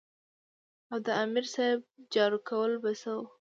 او د امیر صېب جارو کول به څۀ وو ـ